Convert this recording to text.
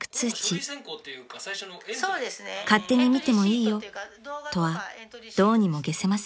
［勝手に見てもいいよとはどうにも解せません］